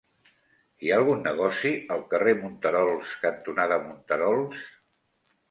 Hi ha algun negoci al carrer Monterols cantonada Monterols?